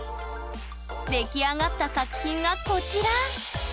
出来上がった作品がこちら！